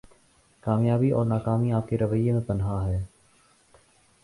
کامیابی اور ناکامی آپ کے رویہ میں پنہاں ہے